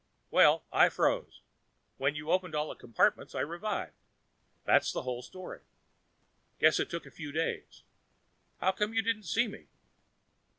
Well, I froze. When you opened all the compartments, I revived. That's the whole story. Guess it took a few days. How come you didn't see me?"